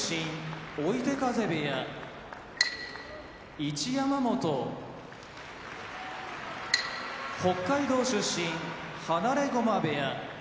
追手風部屋一山本北海道出身放駒部屋